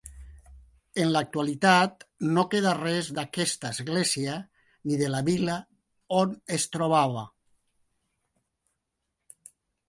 En l'actualitat no queda res d'aquesta església ni de la vila on es trobava.